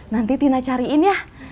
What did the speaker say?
nanti tina cariin yah